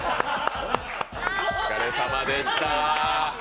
お疲れさまでした。